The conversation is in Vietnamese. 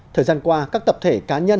thời gian qua các tập thể cá nhân